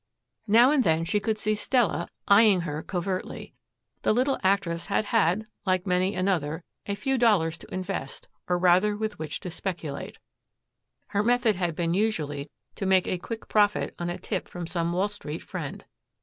Now and then she could see Stella eyeing her covertly. The little actress had had, like many another, a few dollars to invest or rather with which to speculate. Her method had been usually to make a quick profit on a tip from some Wall Street friend.